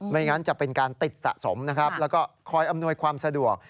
ไม่งั้นจะเป็นการติดสะสมนะครับแล้วก็คอยอำนวยความสะดวก